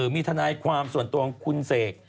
มีทนายความส่วนตัวของคุณเสก